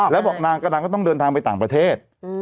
แล้วบอกนางก็ต้องเดินทางไปต่างประเทศ